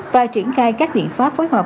và triển khai các biện pháp phối hợp